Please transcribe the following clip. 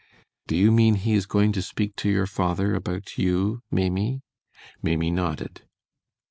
"Do you mean he is going to speak to your father about you, Maimie?" Maimie nodded.